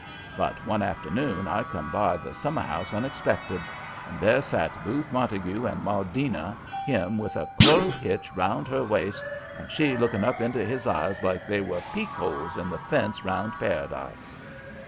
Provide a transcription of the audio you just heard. But one afternoon I come by the summerhouse unexpected, and there sat Booth Montague and Maudina, him with a clove hitch round her waist, and she looking up into his eyes like they were peekholes in the fence 'round paradise.